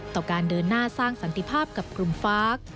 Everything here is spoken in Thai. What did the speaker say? การเดินหน้าสร้างสันติภาพกับกลุ่มฟ้า